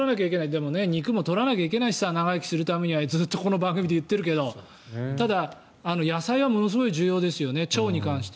でも肉も取らないといけないしさ長生きするためにはずっとこの番組で言っているけどただ、野菜はものすごい重要ですよね。